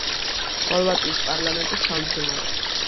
ხორვატიის პარლამენტის თავმჯდომარე.